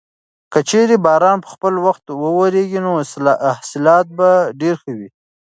که چېرې باران په خپل وخت وورېږي نو حاصلات به ډېر ښه وي.